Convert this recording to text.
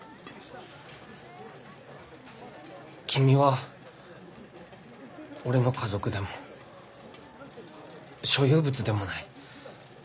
君は俺の家族でも所有物でもない。